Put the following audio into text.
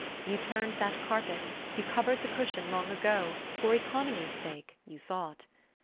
You turned that carpet, you covered the cushion long ago, for economy's sake, you thought.